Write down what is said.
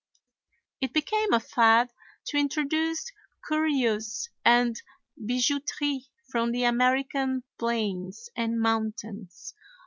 It became a fad to introduce curios and bijouterie from the American plains and mountains.